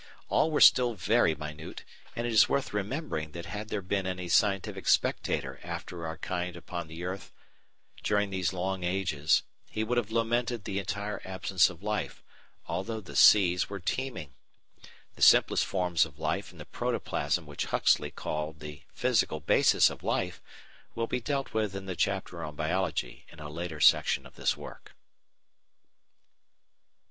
All were still very minute, and it is worth remembering that had there been any scientific spectator after our kind upon the earth during these long ages, he would have lamented the entire absence of life, although the seas were teeming. The simplest forms of life and the protoplasm which Huxley called the physical basis of life will be dealt with in the chapter on Biology in a later section of this work.